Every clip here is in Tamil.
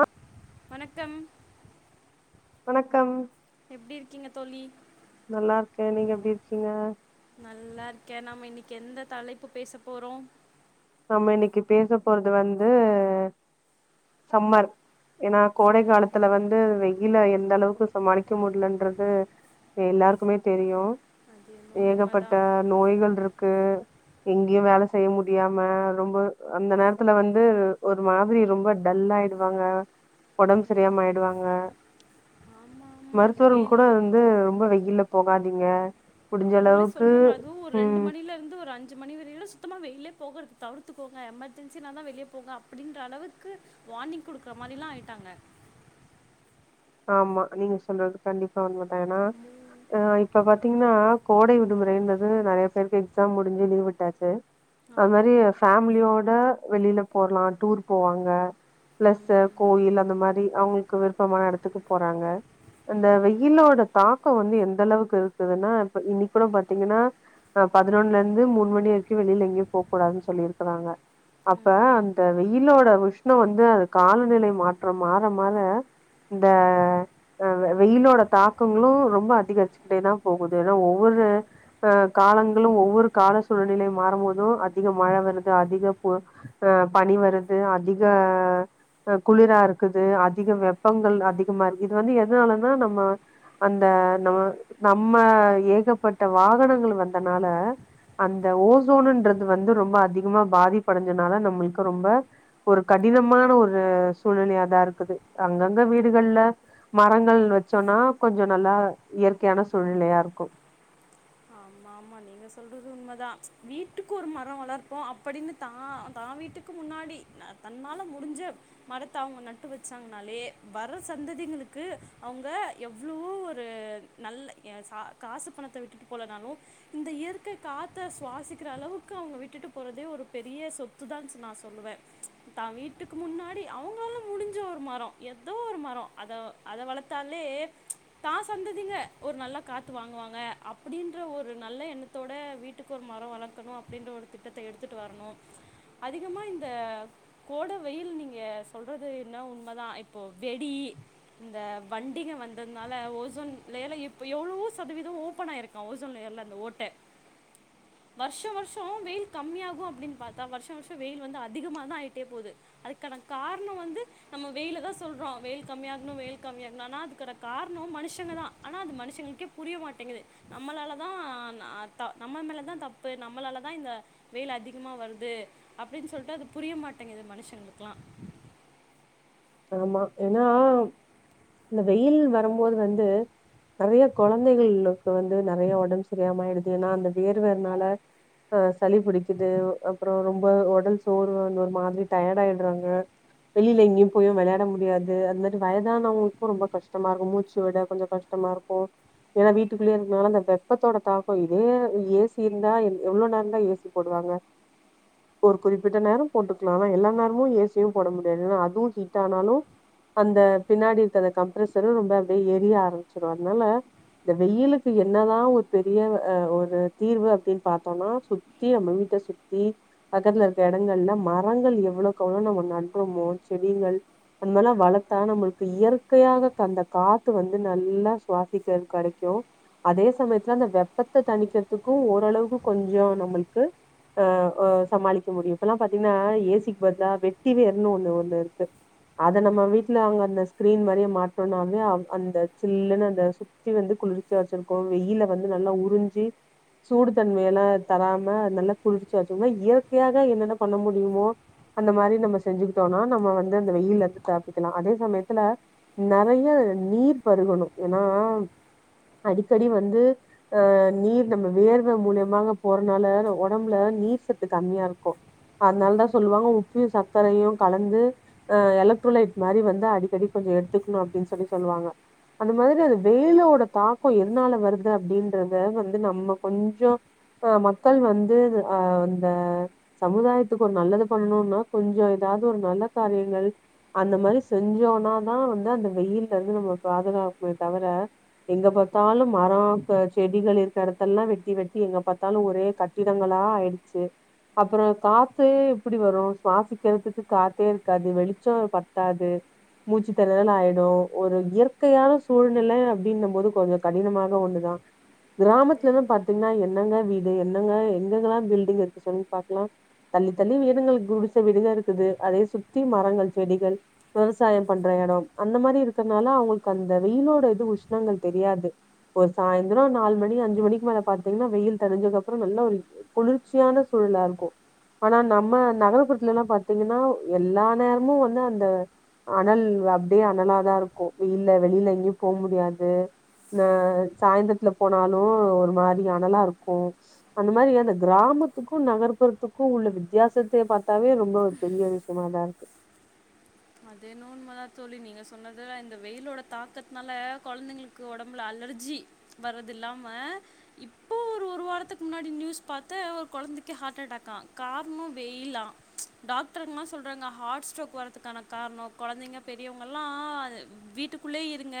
ஆஹ் வணக்கம் வணக்கம் எப்டி இருக்கீங்க தோலி நல்லா இருக்கே நீங்க எப்டி இருக்கீங்க நல்லா இருக்கே நாம இன்னைக்கி எந்த தலைப்பு பேச போறோ நம்ம இன்னிக்கு பேசப் போறது வந்து சம்மர் ஏன்னா கோடை சம்மர் காலத்துல வந்து வெய் இல்ல எந்த அளவுக்கு சமாளிக்க முட்லன்றது எல்லாருக்குமே தெரியு அது என்னமோ ஏகப்பட்ட உண்மைதான் நோய்கள் ருக்கு எங்கேயு வேல செய்ய முடியா ரொம்ப அந்த நேரத்துல வந்து ஒரு மாதிரி ரொம்ப டல்லா ஆய்டுவாங்க ஒடம்பு சரியாம ஆய்டுவாங்க ஆமாம் ஆமாம் அந்த மருத்துவர்கள் கூட வெயிலோட வந்து ரொம்ப வெய்யில்ல போகாதிங் நீங்க அவுங்களே சொல்றாங்க அதுவும் ஒரு ரெண்டு மணில இருந்து ஒரு அஞ்சு மணி வரியிலு சுத்தமா வெய்யில்லே போகறத் தவுருத்து போங்க எமர்ஜென்சினாதா வெளியே போங்க அப்டின்ற அளவுக்கு வார்னிங் குடுக்கற மாரிலா ஆய்ட்டாங்க ஆமா நீங்க சொல்றது கண்டிப்பா உண்ம தான் ஏன்னாஹ் இப்ப பாத்தீங்கன்னா கோடை விடுமுறைன்றது நெறைய பேருக்கு எக்ஸாம் முடிஞ்சு லீவ் விட்டாச்சு அது ஆமாம் மாரி ஆமாம் ஃபேமிலியோட வெளில போலாம் டூர் போவாங்க பிளஸ் ம் கோயில் அந்த மாரி அவங்களுக்கு விருப்பமான இடத்துக் எடத்துக்கு போறாங்க அந்த ம் வெயிலோட தாக்கோ வந்து எந்த அளவுக்கு இருக்குதுன்னா இப்ப இன்னிக் கூடப் பாத்தீங்கனா அ பதினொன்னுலருந்து மூணு மணி வரக்யு வெளில எங்கயு போக் கூடாது சொல்லிருக்கறாங்க ம் அப்ப ம் அந்த வெயிலோட உஷ்ணம் வந்து அது காலநிலை மாற்றம் மாற மாற இந்த வெயிலோட தாக்கங்ளும் ரொம்ப அதிகரிச்சுக்கிட்டே தான் போகுது ஏன்னா ஒவ்வொரு அஹ் காலங்களும் ஒவ்வொரு கால சூழ்நிலை மாறும்போதும் அதிக மழ வருது அதிக பனி வருது அதிக குளிரா இருக்குது அதிக வெப் வெப்பங்கள் அதிகமா இருக்கு இது வந்து எதுனாலன்னா நம்ம அந்த நம்ம நம்ம ஏகப்பட்ட வாகனங்கள் வந்தனால அந்த ஓசோனுன்றது வந்து ரொம்ப அதிகமா பாதிப்படைஞ்சனால நம்மளுக்கு ரொம்ப ஒரு கடினமான ஒரு சூழ்நிலையாதான் இருக்குது அங்கங்க வீடுகள்ல மரங்கள் வச்சோன்னா கொஞ்சோனா நல்லா இயற்கையான சூழ்நிலயாருக்கு ஆமா ஆமா நீங்க சொல்றது உண்மதா வீட்டுக்கு ஒரு மரோ வளர்ப்போ அப்டின்னு தா தா வீட்டுக்கு முன்னாடி அ தன்னால முடிஞ்ச மரத்த அவுங்க நட்டு வச்சாங்கன்னாலே வர்ற சந்ததிங்களுக்கு அவுங்க எவ்ளோ ஒரு நல்ல எ‌ சா‌ காசு பணத்த விட்டுட்டு போலனாலு இந்த இயற்கே காத்த சுவாசிக்கிற அளவுக்கு அவுங்க விட்டுட்டு போறதே ஒரு பெரிய சொத்துதா நா சொல்லுவே தா வீட்டுக்கு முன்னாடி அவுங்களால முடிஞ்ச ஒரு மரோ ஏதோ ஒரு மரோ அத அத வளர்த்தாலே தா சந்ததிங்க ஒரு நல்ல காத்து வாங்குவாங்க அப் அப்படின்ற ஒரு நல்ல எண்ணத்தோட வீட்டுக்கு ஒரு மரோம் வளக்கணும் அப்படின்ற ஒரு திட்டத்த எடுத்துட்டு வரணும் அதிகமா இந்த கோட வெயில் நீங்க சொல்றது என்னோ உண்ம தான் இப்போ வெடி இந்த வண்டிங்க வந்ததுனால ஓசோன் லேயர்ல்ல இப்போ எவ்ளோ சதவீதம் ஓப்பனாயிருக் ஓசோன் லேயர்ல அந்த ஓட்ட வருஷோம் வருஷோம் வெய்யில் கம்மியாகும் அப்டின்னு பாத்தா வருஷோம் வருஷோம் வெய்யில் வந்து அதிகமா தான் ஆய்ட்டே போது அதுக்கான காரணோம் வந்து நம்ம வெய்யில தான் சொல்றோம் வெய்யில் கம்மியாணோம் வெய்யில் கம்மியாணோம் ஆனா அதுக்கான காரணம் மனுஷங்க தான் ஆனா அது மனுஷங்களுக்கே புரிய மாட்டங்குது நம்மளாலதான் நம்ம மேலதான் தப்பு நம்மளாலதான் இந்த வெயில் அதிகமா வருது அப்டின்னு சொல்லிட்டு அது புரிய மாட்டங்குது மனுஷங்களுக்குலாம் ஆமா ஏன்னா இந்த வெயில் வரும்போது வந்து நெறைய கொழந்தைகள்க்கு வந்து நிறைய ஒடம்பு சரியாம ஆய்டுது ஏன்னா அந்த வேர்வனால அஹ் சளி புடிக்கிது அப்புறம் ரொம்ப உடல் சோர்வு அந்த ஒரு மாரி டயர்டு ஆயிற்றாங்க வெளில எங்கயும் போயும் வெளையாட முடியாது அந்த மாதிரி வயதானவங்களுக்கும் ரொம்ப கஷ்டமா இருக்கூம் மூச்சு விட கொஞ்சொம் கஷ்டமா இருக்கூம் ஏன்னா வீட்டுக்குள்ளேயே இருக்கதுனால அந்த வெப்பத்தோட தாக்கம் இதே ஏசி இருந்தா எவ்வளோ நேரந் தான் ஏசி போடுவாங்க ஒரு குறிப்பிட்ட நேரம் போட்டுக்லாம் ஆனா எல்லா நேரமும் ஏசியும் போட முடியாது ஏன்னா அதுவும் ஹீட் ஹீட் ஆனாலும் அந்த பின்னாடி இருக்குற அந்த கம்ப்ரசரும் ரொம்ப அப்படியே எரிய ஆரம்பிச்சிடும் அதுனால இந்த வெயிலுக்கு என்னதான் ஒரு பெரிய ஒரு தீர்வு அப்டின்னு பார்த்தோம்னா சுத்தி நம்ம வீட்ட சுத்தி பக்கத்துல இருக்க எடங்கள்ல மரங்கள் எவ்வளோக்கு எவ்ளோ நம்ம நட்றோமோ செடிகள் அந் மார்லாம் வளத்தா நம்மளுக்கு இயற்கையாக அந்த காத்து வந்து நல்லா சுவாசிக்க கெடைக்கும் அதே சமயத்துல அந்த வெப்பத்த தணிக்கிறத்துக்கும் ஓரளவுக் கொஞ்சோ நம்மளுக்கு அஹ் ஹ் சமாளிக்க முடியும் இப்பெல்லாம் பாத்தீங்கன்னா ஏசிக்கு பதிலா வெட்டி வேர்ன்னு ஒண்ணு ஒண்ணு இருக்கு அத நம்ம வீட்ல அங்க அந்த ஸ்கிரீன் மாரியே மாட்னோனாவே அ அந்த சில்லுன்னு அந்த சுத்தி வந்து குளிர்ச்சா வச்சிருக்கு வெய்யில வந்து நல்லா உறிஞ்சி சூடு தன்மையலா தராம நல்லா குளிர்ச்சியா வச்சிருக்கு இதுமேர் இயற்கையாக என்னென்ன பண்ண முடியுமோ அந்த மாரி நம்ம செஞ்சுக்கிட்டோனா நம்ம வந்து வெயில்லேந்து தப்பிக்கலாம் அதே சமயத்துல நறைய நீர் பருகணும் ஏன்னா அடிக்கடி வந்து அஹ் நீர் நம்ம வேர்வ மூல்யமா போறனால உடம்புல நீர் சத்து கம்மியா இருக்கூம் அதனால்தான் சொல்வாங்க உப்பயும் சக்கரையூம் கலந்து அஹ் எலக்ட்ரோலைட் மாரி வந்து அடிக்கடி கொஞ்சோ எடுத்துக்குணு அப்டின்னு சொல்லி சொல்வாங்க அந்த மாதிரி அது வெயிலோட தாக்கோ எதுனால வர்து அப்டின்றத வந்து நம்ம கொஞ்சோ அஹ் மக்கள் வந்து அஹ் அந்த சமுதாயத்துக்கு ஒரு நல்லது பண்ணுன்னா கொஞ்சோ எதாவது ஒரு நல்ல ‌கரியோ அந்த மாரி செஞ்சோம்னா தான் வந்து அந்த வெய்யில்ல இருந்து நம்ம பாதுகாக்குமே தவிர எங்க பாத்தாலும் மரோ செடிகள் இருக்குற இடத்தெல்லாம் வெட்டி வெட்டி எங்க பாத்தாலும் ஒரே கட்டிடங்களா ஆயிடுச்சு அப்புறோ காத்து எப்டி வரும் சுவாசிக்கிறத்துக்கு காத்தே க்காது வெளிச்சோ பத்தாது மூச்சுத்திணறல் ஆய்டு ஒரு இயற்கையான சூழ்நிலை அப்டின்னும்போது கொஞ்சோ கடினமான ஒண்ணுதா அது கிராமத்துலலா பாத்தீங்ன்னா என்னங்க வீடு என்னங்க எங்கங்கெல்லா பில்டிங் இருக்கு சொல்லுங்க பாக்கலா தள்ளி தள்ளி வீடுங்களுக்கு குடுச வீடுங்க இருக்குது அதே சுத் தி மரங்கள் செடிகள் விவசாயோ பண்ற எடோ அந்த மாரி இருக்கனால அவங்களுக்கு அந்த வெயிலோட இது உஷ்ணங்கள் தெரியாது ஒரு சாய்ந்தரோ நாலு மணி அஞ்சு மணிக்கு மேல பாத்தீங்கன்னா வெயில் தணிஞ்சகப்புறோ நல்ல ஒரு குளிர்ச்சியான சூழலா இருக்கு ஆனா நம்ம நகர்புறத்துலலா பாத்தீங்கனா எல்லா நேரமு வந்து அந்த அனல் அப்டியே அனலா தா இருக்கு வெயில்ல வெளில எங்கயு போ முடியாது அ சாய்ந்திரத்துல போனாலு ஒரு மாரி அனலா இருக்கு அந்த மாரி அந்த கிராமத்துக்கு நகர்ப்புறத்துக்கு உள்ள வித்தியாசத்த பா தவே ரொம்ப ஒரு பெரிய விஷ் இதாருக்கு அதேன்னு உண்மதா தோழி நீங்க சொன்னது இந்த வெயிலோட தாக்கத்னால கொழந்தைங்களுக்கு ஒடம்புல அலர்ஜி வர்றதுல்லாம இப்போ ஒரு ஒரு வாரத்துக்கு முன்னாடி நியூஸ் பாத்த ஒரு கொழந்தைக்க ஹார்ட் அட்டாக் ஆ கார்ணோ வெயிலா டாக்டர்ங்கலா சொல்றாங்க ஹார்ட் ஸ்ட்ரோக் வர்றதுக்கான கார்ணோ கொழந்தைங்க பெரியவங்கல்லா வீட்டுக்குள்ளயே இருங்க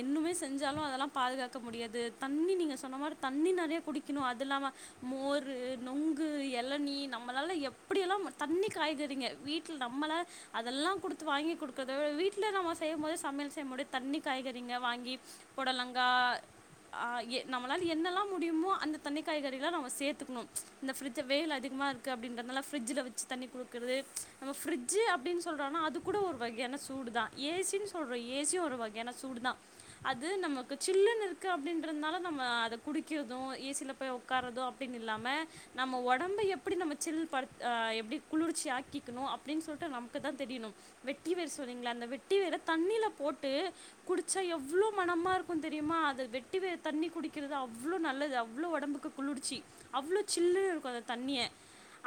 என்னுமே செஞ்சாலு அதெல்லா பாதுகாக்க முடியாது தண்ணி நீங்க சொன்ன மாரி தண்ணி நெறைய குடிக்கணு அது இல்லாம மோரு நுங்கு எளநி நம்மளால எப்டியெல்லா தண்ணி காய்கறிங்க வீட்ல நம்மள அதெல்லா குடுத்து வாங்கி் குடுக்குறது வீட்ல நம்ம செய்யும்போதே சமையல் செய்யபடிய தண்ணி காய்கறிங்க வாங்கி புடலங்கா ஆ எ நம்மளால் என்னல்லா முடியுமோ அந்த தண்ணி காய்கறி எல்லா நம்ம சேத்துக்கணு இந்த ஃப்ரிட்ஜ வேய்ல் அதிகமாக இருக்கு அப்டின்றனால ஃப்ரிஜ்சுல வச்சு தண்ணி குடுக்குறது நம்ம ஃப்ரிட்ஜு அப்டின் சொ சொல்றனா அது கூட ஒரு வகையான சூடு தா ஏ சின் சொல்றோ ஏ சியு ஒரு வகையான சூடு தா அது நமக்கு சில்லுன்னு இருக்கு அப்டின்றதுனால நம்ம அத குடிக்கிறது ஏ சில போய் உக்கார்றது அப்டின் இல்லாம நம்ம ஒடம்ப எப்டி நம்ம சில் படு ஆ எப்டி குளிர்ச்சி ஆக்கிக்கணு அப்டின் சொல்லிட்டு ந தெரியனு வெட்டி வேர் சொன்னீங்கள அந்த வெட்டி வேர் தண்ணில போட்டு குடிச்சா எவ்ளோ மனமா இருக்கு தெரியுமா அது வெட்டி வேர் தண்ணி குடிக்குறது அவ்ளோ நல்லது அவ்ளோ ஒடம்புக்கு குளிர்ச்சி அவ்ளோ சில்லுணு இருக்கு அந்த தண்ணிய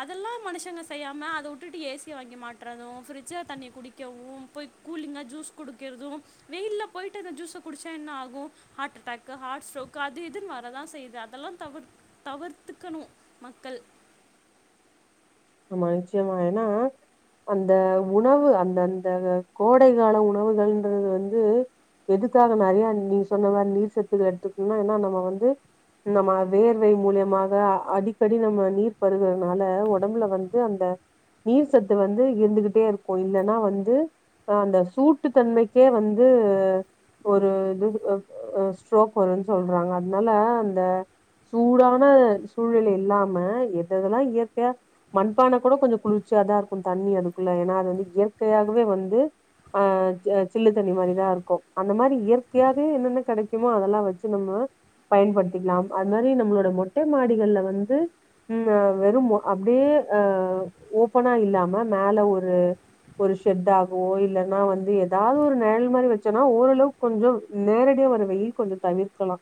அதல்லா மனுசங்க செய்யாம அத உட்டுட்டு ஏ சிய வாங்கி மாட்ட கட்டுறது பிரிட்ஜல தண்ணி குடிக்கவு போய் கூலிங்கா ஜூஸ் குடுக்கிறது வெயில்ல போய்ட்டு அந்த ஜூஸ குடிச்சா என்ன ஆகு ஹார்ட் அட்டாக்கு ஹார்ட் ஸ்ட்ரோக் அது இதுன் வரதா செய்யுது அதெல்லா தவிர் தவிர்த்துக்கணு மக்கள் மா நிச்சியமா ஏனா அந்த உணவு அந்த அந்த கோடை கால உணவுகள்ன்றது வந்து எதுக்காக நெறையா நீங்க சொன்ன மாரி நீர் சத்துகள எடுத்துக்கு ஏனா நம்ம வந்து நம்ம வேர்வை மூலியமாக அடிக்கடி நம்ம நீர் பருகிறனால ஒடம்புல வந்து அந்த நீர் சத்து வந்து இருந்துகிட்டே இருக்கு இல்லனா வந்து அந்த சூட்டு தன்மைக்கே வந்து ஒரு இது அ அ ஸ்ட்ரோக் வருன் சொல்றாங்க அதனால அந்த சூடான சூழ்நிலை இல்லாம எதெதெல்லா இயற்கையா மண்பான கூட கொஞ்சோ குளிர்ச்சியாதா இருக்கு தண்ணி அதுக்குள்ள ஏனா அது வந்து இயற்கையாகவே வந்து ஆ சில்லு தண்ணி மாரிதா இருக்கு அந்த மாரி இயற்கையாவே என்னென்ன கெடைக்குமோ அதெல்லா வச்சு நம்மோ பயன்படுத்திக்கலா அது மாரி நம்மளோட மொட்டை மாடிகள்ல வந்து ம் வெறும் அப்டியே அ ஓபனா இல்லாம மேல ஒரு ஒரு ஷெட் ஆகவோ இல்லனா வந்து ஏதாது ஒரு நெழல் மாரி வச்சோன்னா ஓரளவுக்கு கொஞ்சோ நேரடியா வர்ற வெயில் கொஞ்சோ தவிர்க்கலா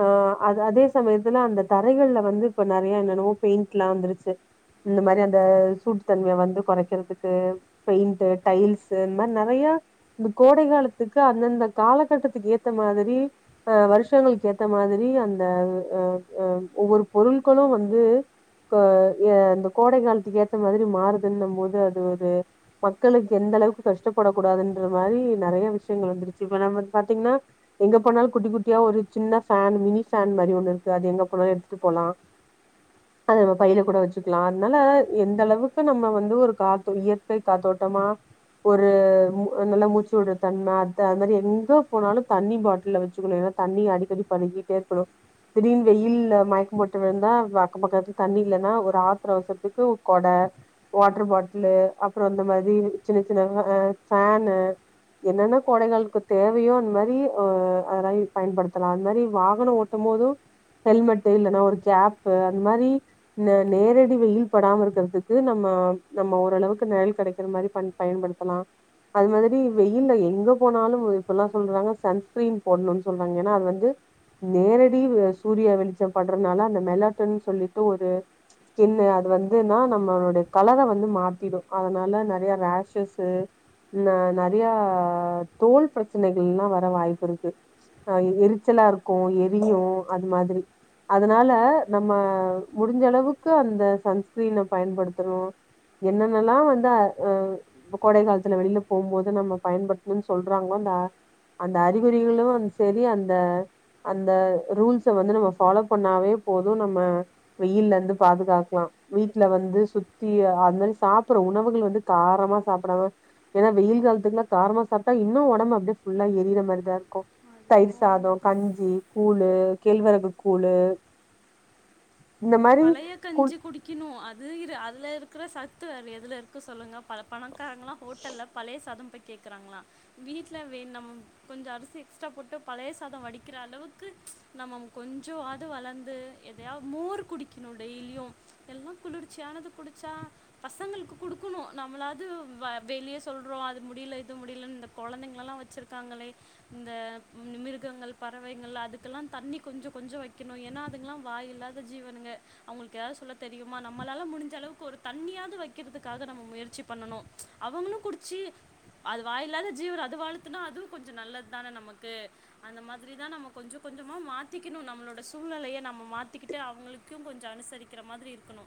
ஆ அதே சமயத்துல அந்த தரைகள்ல வந்து இப்ப நெறைய என்னன்னமோ பெயிண்ட்லா வந்துருச்சி இந்த மாரி அந்த சூட்டுத்தன்மைய வந்து கொறைக்கிறதுக்கு பெயிண்ட்டு டைல்ஸூ இந்த மாரி நெறையா இந்த கோடை காலத்துக்கு அந்தந்த காலகட்டத்துக்கு ஏத்த மாதிரி அ வருஷங்களுக்கு ஏத்த மாதிரி அந்த ஒ ஒ ஒவ்வொரு பொருள்களு வந்து க ம் இந்த கோடை காலத்துக்கு ஏத்த மாதிரி மாறுதுன்னு போது அது ஒரு இது மக்களுக்கு எந்த அளவுக்கு கஷ்டப்பட கூடாதுன்ற மாரி நெறைய விஷயங்கள் வந்துருச்சி இப்ப நம்ம பாத்தீங்னா எங்க போனாலு‌ குட்டி குட்டியா ஒரு சின்ன ஃபேன் மினி ஃபேன் மாரி ஒண்ணு இருக்கு அது எங்க போனாலு எட்துட்டு போலா அது நம்ம பைல கூட வச்சு கலா அதனால எந்த அளவுக்கு நம்ம வந்து ஒரு காத்து இயற்கை காத்தோட்டமா ஒரு நல்ல மூச்சு வுடுற தன்ம அத்த அந்த மாரி எங்க போனாலு தண்ணி பாட்டில வச்சுக்கணு ஏனா தண்ணி அடிக்கடி பருகிட்டே இருக்கணு திடீர்ன் வெயில் மயக்க போட்டு விழுந்தா அக்க பக்கத்துல தண்ணி இல்லன்னா ஒரு ஒரு ஆத்துர அவசரத்துக்கு கொட வாட்டர் பாட்டுலு அப்றோ இந்த மாதி சின்ன சின்ன ஆ பேனு என்னென்ன கொடைகளுக்கு தேவையோ அந்த மாரி அ அதலா பயன்படுத்தலா அந் மாரி வாகனோ ஓட்டு போது ஹெல்மெட்டு இல்லன்னா ஒரு கேப்பு அந் மாரி நெ நேரடி வெயில் படாம இருக்கற்துக்கு நம்ம நம்ம ஓரளவுக்கு நெழல் கெடைக்கற மாரி பன் பயன்படுத்தலா அது மாதிரி வெயில்ல எங்க போனாலு இப்பல்லா சொல்றாங்க சன்ஸ்கிரீன் போட்ணுனு சொல்றாங்க ஏனா அது வந்து நேரடி சூர்ய வெளிச்ச படுறனால அந்த மெலாட்டன் சொல்லிட்டு ஒரு ஸ்கின்னு அது வந்துன்னா நம்மளுடைய கலர வந்து மாத்திடு அதனால நெறைய ரேஷஸூ நா நெறைய தோல் பிரச்சனைகல்லா வர வாய்ப்புருக்கு ஆ எரிச்சலா இருக்கு‌ எரியு அது மாதிரி அதனால நம்ம முடி ஞ்ச அளவுக்கு அந்த சன்ஸ்கிரீன பயன்படுத்தணு என்னென்னலா வந்து அ அ கோடை காலத்துல வெளில போம்போது நம்ம பயன்படுத்தனுன் சொல்றாங்களோ அந்த அந்த அறிகுறிகளு வந்து செரி அந்த அந்த ரூல்ஸ வந்து நம்ம ஃபாலோ பண்ணாவே போது நம்ம வெயில்ல இருந்து பாதுகாக்லா வீட்ல வந்து சுத்தி அது மாதி சாப்புட்ற உணவுகள் வந்து காரமா சாப்டாம ஏனா வெயில் காலத்துக்குல்லா காரமா சாப்ட்டா இன்னு ஒடம்பு அப்டியே ஃபுல்லா எரியிற மாரிதா இருக்கு அது தயிர் என்னவோ சாதோ உண்மைதான் கஞ்சி கூழு கேழ்வரகு கூழு இந்த மாரி பழைய கூழ் கஞ்சி குடிக்கணு அது இரு அதுல இருக்கற சத் த்து வேற எதுல இருக்கு சொல்லுங்க ப பணக்காரங்களா ஹோட்டல்ல பழைய சாதம் போய் கேக்கறாங்களா வீட்லவே நம் கொஞ்சோ அரிசி எக்ஸ்ட்ரா போட்டு பழைய சாதோ வடிக்கிற அளவுக்கு ப்ச் நம்ம கொஞ்சவாது வளந்து எதையா மோர் குடிக் வெக்ணு டெய்லியு எல்லா குளிர்ச்சியானது குடிச்சா பசங்களுக்கு குடுக்குணு நம்ளாது வெளிய சொல்றோ அது முடியில இது முடிலன் இந்த கொழந்தைங்களெல்லா வச்சுருக்காங்களே இந்த மிருகங்கள் பறவைங்கள் அதுக்கெல்லா தண்ணி கொஞ்சோ கொஞ்சோ வைக்கணு ஏனா அதுங்கலா வாயில்லாத ஜீவனுங்க அவுங்ளுக்கு ஏதாது சொல்ல தெரியுமா நம்மளால முடிஞ்ச அளவுக்கு ஒரு தண்ணியாது வைக்கிறதுக்காக நம்ம முயற்சி பண்ணணு அவுங்ளு குடிச்சி அது வாயில்லாத ஜீவன் அது வாழ்த்துனா அதுவு கொஞ்சோ நல்லத் தான நமக்கு அந்த மாதிரிதா நம்ம கொஞ்சோ கொஞ்சமா மாத்திக்கினு நம்மளோட சூழ்நெலைய நம்ம மாத்திக்கிட்டு அவுங்களுக்கு க்கும் கொஞ்சோ அனுசரிக்கிற மாதிரி இருக்கணு